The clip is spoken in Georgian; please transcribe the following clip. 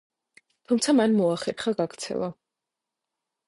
თუმცა მან მოახერხა გაქცევა.